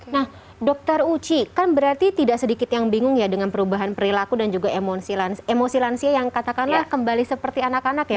nah dokter uci kan berarti tidak sedikit yang bingung ya dengan perubahan perilaku dan juga emosi lansia yang katakanlah kembali seperti anak anak ya